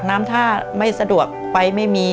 น้ำท่าไม่สะดวกไฟไม่มี